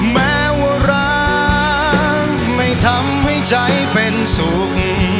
แม้ว่ารักไม่ทำให้ใจเป็นสุข